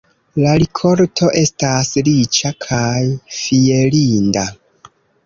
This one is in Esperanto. La rikolto estas riĉa kaj fierinda.